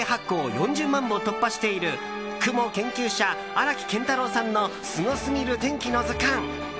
４０万部を突破している雲研究者・荒木健太郎さんの「すごすぎる天気の図鑑」。